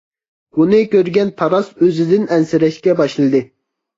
بۇنى كۆرگەن تاراس ئۆزىدىن ئەنسىرەشكە باشلىدى.